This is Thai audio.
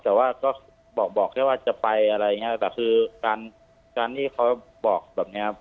แต่ว่าก็บอกบอกแค่ว่าจะไปอะไรอย่างเงี้ยแต่คือการการที่เขาบอกแบบเนี้ยครับ